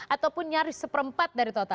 ataupun nyaris seperempat